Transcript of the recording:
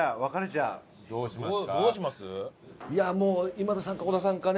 いやもう。